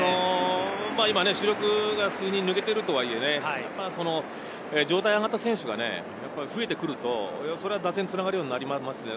今、主力が数人抜けているとはいえ、状態が上がった選手が増えてくると、打線がつながるようになりますよね。